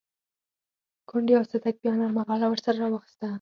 کونډې او صدک بيا نرمه غاړه ورسره راواخيسته.